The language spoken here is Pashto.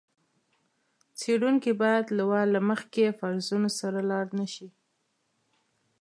څېړونکی باید له وار له مخکې فرضونو سره لاړ نه شي.